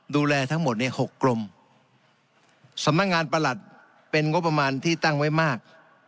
ดูแลทั้งหมดเนี่ยหกกรมสำนักงานประหลัดเป็นงบประมาณที่ตั้งไว้มาก